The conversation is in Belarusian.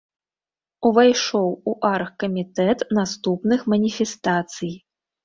Увайшоў у аргкамітэт наступных маніфестацый.